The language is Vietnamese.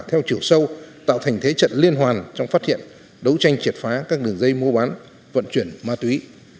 theo chiều sâu tạo thành thế trận liên hoàn trong phát hiện đấu tranh triệt phá các đường dây mua bán vận chuyển ma túy